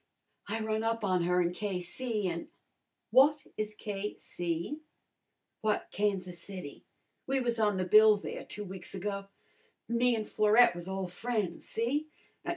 I run up on her in K.C., an' " "What is K.C.?" "Why, Kansas City! We was on the bill there two weeks ago. Me an' Florette was ole friends, see?